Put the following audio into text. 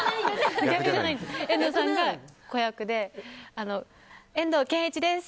遠藤さんが子役で遠藤憲一です！